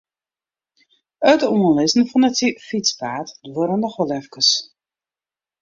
It oanlizzen fan it fytspaad duorre noch wol efkes.